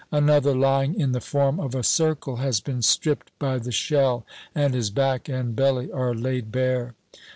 Another, lying in the form of a circle, has been stripped by the shell, and his back and belly are laid bare.